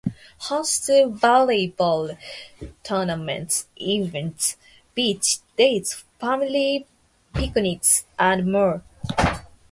Host to volleyball tournaments, events, beach days, family picnics and more.